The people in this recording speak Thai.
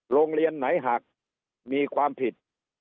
โรงเรียนไหนหักมีความผิด